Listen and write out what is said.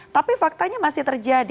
tapi faktanya masih terjadi